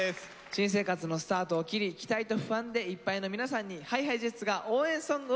新生活のスタートを切り期待と不安でいっぱいの皆さんにＨｉＨｉＪｅｔｓが応援ソングをお届けします。